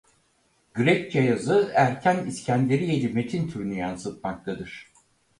Grekçe yazı erken İskenderiyeli metin türünü yansıtmaktadır.